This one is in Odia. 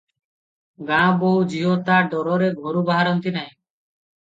ଗାଁ ବୋହୂ ଝିଅ ତା ଡରରେ ଘରୁ ବାହାରନ୍ତି ନାହିଁ ।